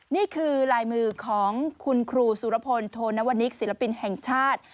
นี่คือลายมือของคุณครูสุรพลโทนวนิกศิลปินแห่งชาติ